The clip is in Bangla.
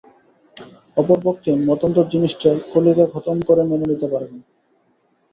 অপর পক্ষে মতান্তর জিনিসটা কলিকা খতম করে মেনে নিতে পারে না।